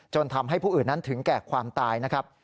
จนทำให้ผู้อื่นนั้นถึงแก่ความตายนะครับ